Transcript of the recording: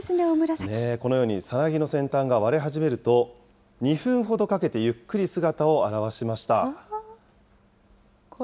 このようにさなぎの先端が割れ始めると、２分ほどかけてゆっくり姿を現しました。